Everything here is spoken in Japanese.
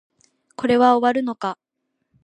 これは終わるのか